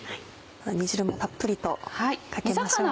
煮汁もたっぷりとかけましょう。